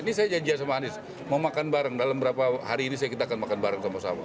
ini saya janjian sama anies mau makan bareng dalam berapa hari ini kita akan makan bareng sama sama